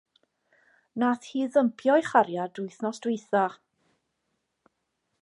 Nath hi ddympio'i chariad wythnos dwytha.